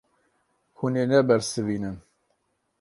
Hûn ê nebersivînin.